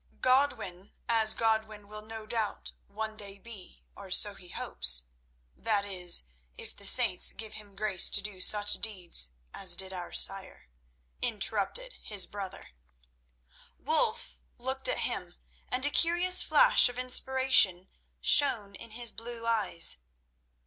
"Godwin as Godwin will no doubt one day be, or so he hopes—that is, if the saints give him grace to do such deeds as did our sire," interrupted his brother. Wulf looked at him, and a curious flash of inspiration shone in his blue eyes.